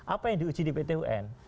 apa yang diuji di pt un